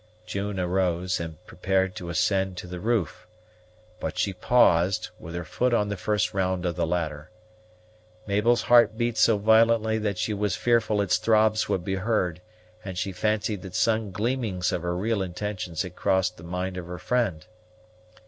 June arose, and prepared to ascend to the roof; but she paused, with her foot on the first round of the ladder. Mabel's heart beat so violently that she was fearful its throbs would be heard; and she fancied that some gleamings of her real intentions had crossed the mind of her friend.